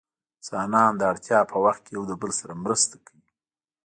انسانان د اړتیا په وخت کې له یو بل سره مرسته کوي.